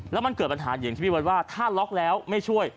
แล้วมันเกิดปัญหาอย่างที่พี่เบิร์ตว่าถ้าล็อกแล้วไม่ช่วย